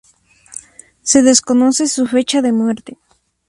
Se desconoce su fecha de muerte.